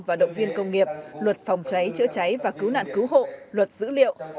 và động viên công nghiệp luật phòng cháy chữa cháy và cứu nạn cứu hộ luật dữ liệu